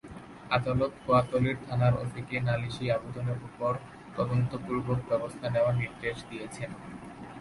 আদালত কোতোয়ালি থানার ওসিকে নালিশি আবেদনের ওপর তদন্তপূর্বক ব্যবস্থা নেওয়ার নির্দেশ দিয়েছেন।